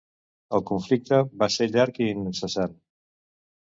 El conflicte va ser llarg i incessant.